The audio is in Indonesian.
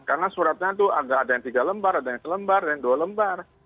karena suratnya tuh ada yang tiga lembar ada yang satu lembar ada yang dua lembar